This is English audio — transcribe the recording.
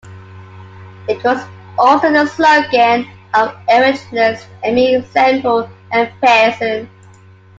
It was also the slogan of the evangelist Aimee Semple McPherson.